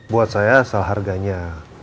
buat saya seharganya